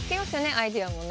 アイデアもね。